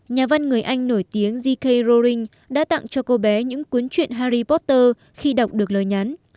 nhà văn người anh nổi tiếng g k rowling đã tặng cho cô bé những cuốn chuyện harry potter khi đọc được lời nhắn